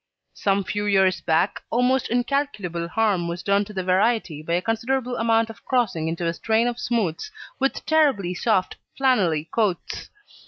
Some few years back, almost incalculable harm was done to the variety by a considerable amount of crossing into a strain of smooths with terribly soft flannelly coats.